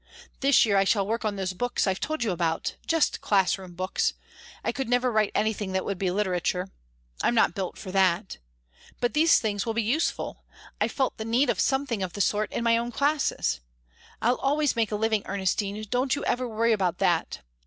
This year I shall work on those books I've told you about; just class room books I never could write anything that would be literature I'm not built for that; but these things will be useful, I've felt the need of something of the sort in my own classes. I'll always make a living, Ernestine don't you ever worry about that!